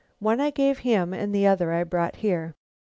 One I gave him and the other I brought here."